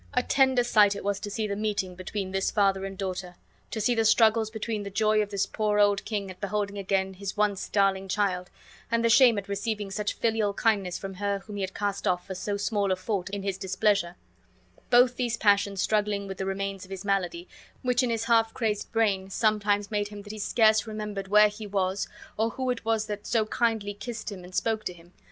A tender sight it was to see the meeting between this father and daughter; to see the struggles between the joy of this poor old king at beholding again his once darling child, and the shame at receiving such filial kindness from her whom he had cast off for so small a fault in his displeasure; both these passions struggling with the remains of his malady, which in his half crazed brain sometimes made him that he scarce remembered where he was or who it was tb at so kindly kissed him and spoke to him.